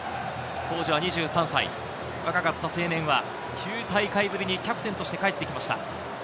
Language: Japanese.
当時は２３歳、若かった青年は９大会ぶりにキャプテンとして帰ってきました。